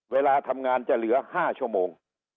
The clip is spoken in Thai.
เวลาทำงานจะเหลือ๕ชั่วโมง